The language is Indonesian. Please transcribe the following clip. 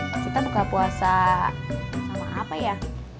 kita buka puasa sama apa ya